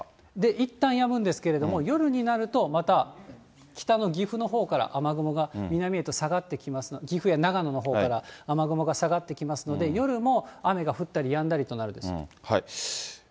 いったんやむんですけど、夜になると、また北の岐阜のほうから、雨雲が北のほうへ下がってきますから、岐阜や長野のほうから雨雲が下がってきますので、夜も雨が降ったりやんだりとなるでしょう。